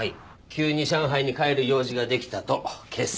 急に上海に帰る用事ができたと今朝。